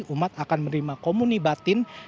umat akan menerima komunibatin